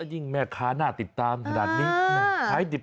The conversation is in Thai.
ยิ่งแม่ค้าหน้าติดตามขนาดนี้